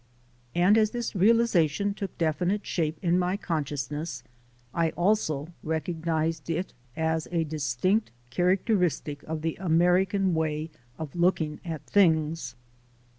And as this realization took definite shape in my consciousness, I also recognized it as a distinct characteristic of the American way of looking at things.